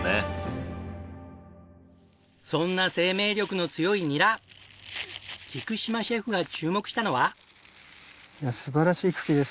そんな生命力の強いニラ菊島シェフが注目したのは。